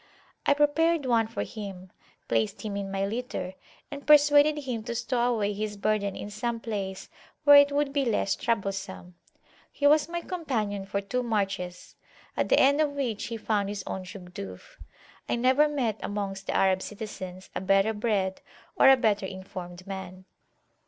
I prepared one for him, placed him in my litter, and persuaded him to stow away his burden in some place where it would be less troublesome. He was my companion for two marches, at the end of which he found his own Shugduf. I never met amongst the Arab citizens a better bred or a better informed man.